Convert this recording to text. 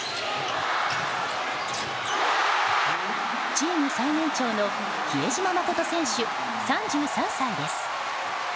チーム最年長の比江島慎選手、３３歳です。